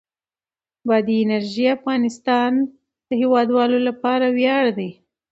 بادي انرژي د افغانستان د هیوادوالو لپاره ویاړ دی.